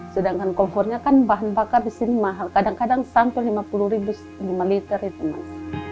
sedangkan kompornya kan bahan bakar di sini mahal kadang kadang sampai lima puluh ribu lima liter itu mas